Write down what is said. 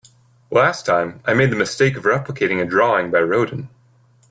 Last time, I made the mistake of replicating a drawing by Rodin.